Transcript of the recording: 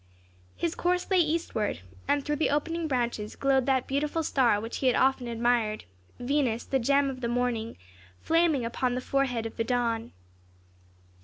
His course lay eastward, and through the opening branches glowed that beautiful star which he had often admired, Venus, the gem of the morning, "flaming upon the forehead of the dawn."